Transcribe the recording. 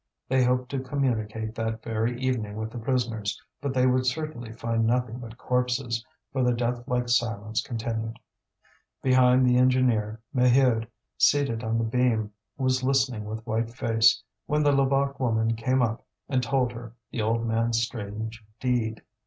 They hoped to communicate that very evening with the prisoners, but they would certainly find nothing but corpses, for the death like silence continued. Behind the engineer, Maheude, seated on the beam, was listening with white face, when the Levaque woman came up and told her the old man's strange deed.